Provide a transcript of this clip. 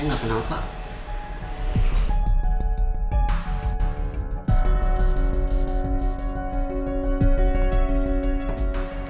saya gak kenal pak